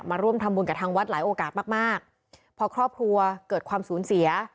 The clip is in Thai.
ร่วมทำบุญกับทางวัดหลายโอกาสมากมากพอครอบครัวเกิดความสูญเสีย